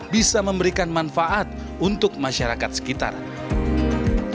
bisa memberikan manfaat untuk masyarakat sekolah dan masyarakat sekolah